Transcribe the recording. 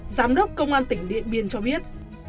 giám đốc công an tỉnh điện biên cho biết